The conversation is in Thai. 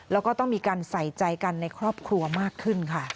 แล้วก็ต้องมีการใส่ใจกันในครอบครัวมากขึ้นค่ะ